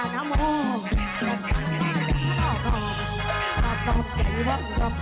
ภาพ่าว่าน้ำมง